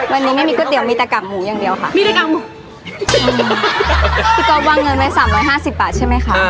วันนี้ไม่มีก๋วยเตี๋ยวมีแต่กากหมูอย่างเดียวค่ะพี่กอล์ฟวางเงินไว้๓๕๐บาทใช่ไหมคะ